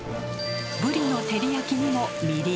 ぶりの照り焼きにもみりん。